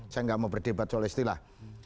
saya nggak mau berdebat soal istilah